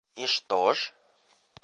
И что ж?